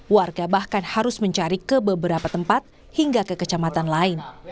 warga bahkan harus mencari ke beberapa tempat hingga ke kecamatan lain